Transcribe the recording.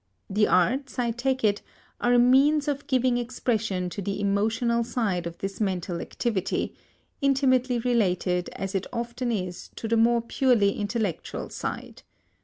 The arts, I take it, are a means of giving expression to the emotional side of this mental activity, intimately related as it often is to the more purely intellectual side.